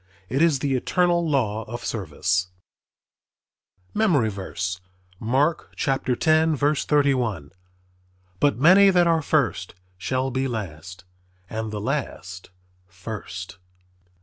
It is the eternal law of service. MEMORY VERSE, Mark 10: 31 "... But many that are first shall be last; and the last first."